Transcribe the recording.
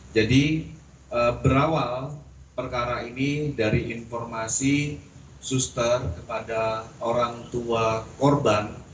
jadi berawal perkara ini dari informasi suster kepada orang tua korban